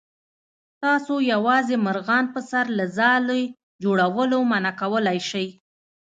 تاسو یوازې مرغان په سر له ځالې جوړولو منع کولی شئ.